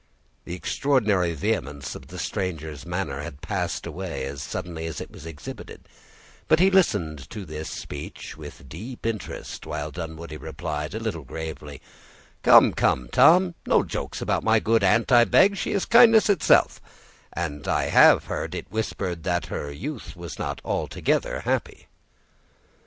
The extraordinary vehemence of the stranger's manner had passed away as suddenly as it was exhibited, but he listened to this speech with deep interest, while Dunwoodie replied, a little gravely,—"Come, come, Tom, no jokes about my good aunt, I beg; she is kindness itself, and I have heard it whispered that her youth was not altogether happy."